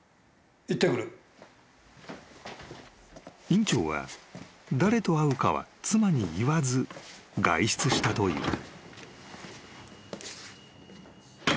［院長は誰と会うかは妻に言わず外出したという］